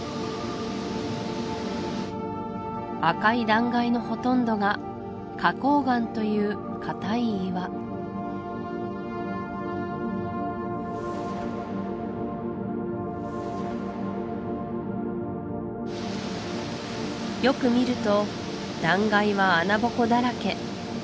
赤い断崖のほとんどが花崗岩という硬い岩よく見ると断崖は穴ぼこだらけ